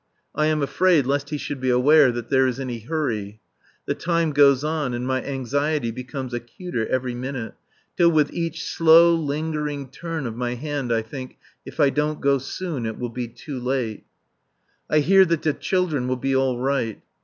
I am afraid lest he should be aware that there is any hurry. The time goes on, and my anxiety becomes acuter every minute, till with each slow, lingering turn of my hand I think, "If I don't go soon it will be too late." I hear that the children will be all right.